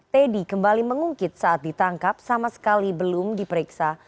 teddy kembali mengungkit saat ditangkap sama sekali belum diperiksa